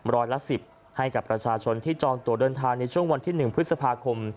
ร้อยละ๑๐ให้กับประชาชนที่จองตัวเดินทางในช่วงวันที่๑พฤษภาคม